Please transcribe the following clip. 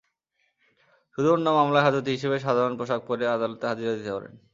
শুধু অন্য মামলায় হাজতি হিসেবে সাধারণ পোশাক পরে আদালতে হাজিরা দিতে পারেন।